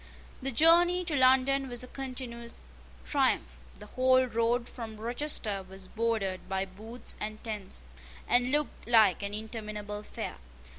The journey to London was a continued triumph. The whole road from Rochester was bordered by booths and tents, and looked like an interminable fair.